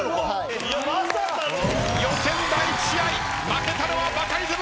予選第１試合負けたのはバカリズム。